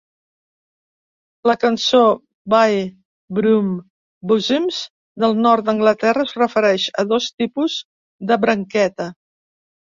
La cançó "Buy Broom Buzzems" del nord d'Anglaterra es refereix als dos tipus de branqueta.